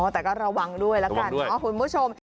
อ๋อแต่ก็ระวังด้วยละกันคุณผู้ชม